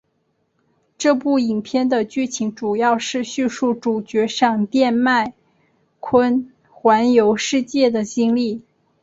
这部影片的剧情主要是叙述主角闪电麦坤环游世界的经历。